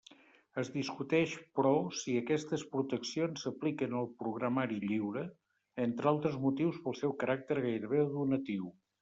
Es discuteix, però, si aquestes proteccions s'apliquen al programari lliure, entre altres motius pel seu caràcter gairebé de donatiu.